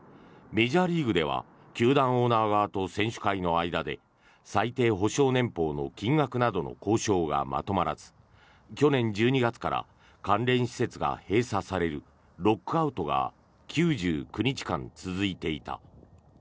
メジャーリーグでは球団オーナー側と選手会の間で最低保証年俸の金額などの交渉がまとまらず去年１２月から関連施設が閉鎖されるロックアウトが９９日間続いていた。